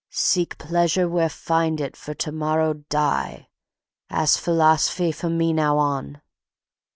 "Seek pleasure where find it for to morrow die. 'At's philos'phy for me now on."